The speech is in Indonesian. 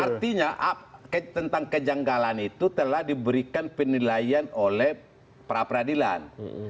artinya tentang kejanggalan itu telah diberikan penilaian oleh pra peradilan